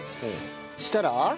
そうしたら？